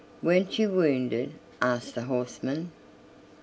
"Weren't you wounded?" asked the horsemen.